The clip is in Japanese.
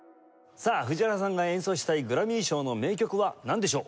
さあ藤原さんが演奏したいグラミー賞の名曲はなんでしょう？